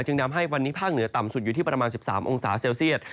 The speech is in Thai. นำให้วันนี้ภาคเหนือต่ำสุดอยู่ที่ประมาณ๑๓องศาเซลเซียต